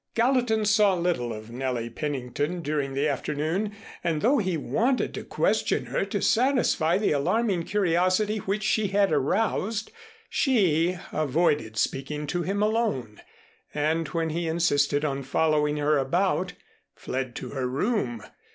Gallatin saw little of Nellie Pennington during the afternoon, and though he wanted to question her to satisfy the alarming curiosity which she had aroused, she avoided speaking to him alone, and when he insisted on following her about, fled to her room.